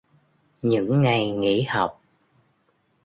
Những ngày nghỉ học